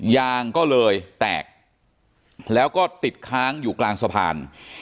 ยางก็เลยแตกแล้วก็ติดค้างอยู่กลางสะพาน